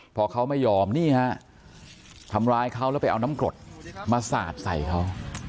พอเขาไม่ยอมนี่ฮะทำร้ายเขาแล้วไปเอาน้ำกรดมาสาดใส่เขา